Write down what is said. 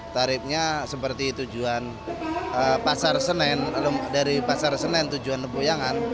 tarifnya seperti tujuan pasar senen dari pasar senen tujuan neboyangan